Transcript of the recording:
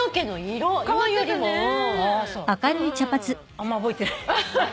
あんま覚えてない。